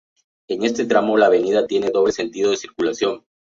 En este tramo la avenida tiene doble sentido de circulación.